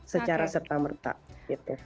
secara serta merta gitu